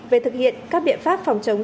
về thực hiện các biện pháp phòng chống